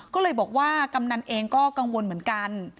ก็เลยบอกว่ากำนันเองก็กังวลเหมือนกัน